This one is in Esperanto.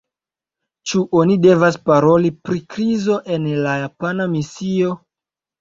Ĉu oni devas paroli pri krizo en la japana misio?